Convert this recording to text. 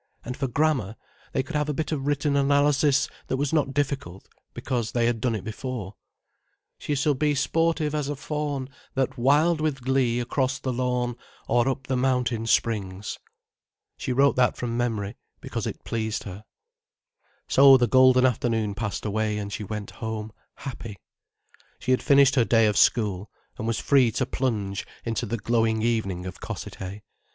And for grammar, they could have a bit of written analysis that was not difficult, because they had done it before: "She shall be sportive as a fawn That wild with glee across the lawn Or up the mountain springs." She wrote that from memory, because it pleased her. So the golden afternoon passed away and she went home happy. She had finished her day of school, and was free to plunge into the glowing evening of Cossethay.